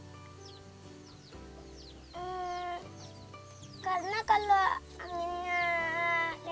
karena kalau anginnya